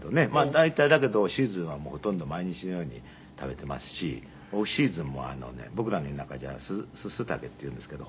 大体だけどシーズンはほとんど毎日のように食べていますしオフシーズンもあのね僕らの田舎じゃすす竹っていうんですけど。